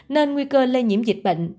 nên nguy cơ lây nhiễm dịch bệnh